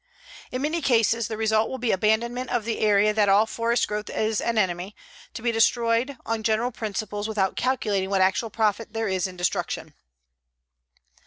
In many cases the result will be abandonment of the idea that all forest growth is an enemy, to be destroyed on general principles without calculating what actual profit there is in destruction.